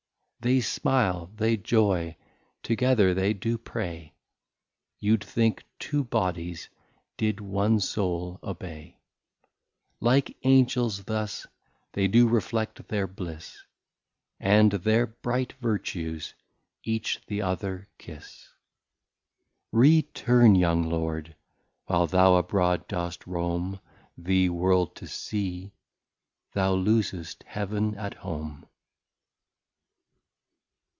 They Smile, they Joy, together they do Pray, You'd think two Bodies did One Soul obey: Like Angels thus they do reflect their Bliss, And their bright Vertues each the other kiss. Return young Lord, while thou abroad dost rome The World to see, thou loosest Heaven at Home.